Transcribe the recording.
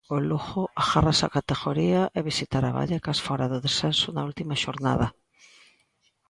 O Lugo agárrase á categoría e visitará Vallecas fóra do descenso na última xornada.